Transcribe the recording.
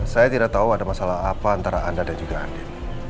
saya tidak tahu ada masalah apa antara anda dan juga andi